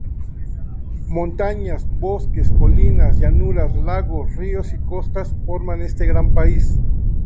Montañas, bosques, colinas, llanuras, lagos, ríos y costas forman este gran país.